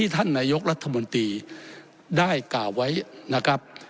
ท่านนายกรัฐมนตรีได้กล่าวไว้นะครับ